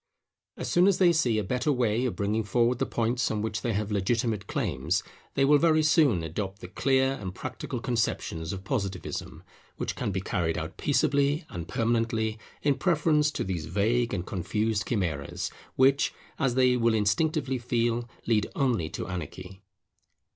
As soon as they see a better way of bringing forward the points on which they have such legitimate claims, they will very soon adopt the clear and practical conceptions of Positivism, which can be carried out peaceably and permanently, in preference to these vague and confused chimeras, which, as they will instinctively feel, lead only to anarchy.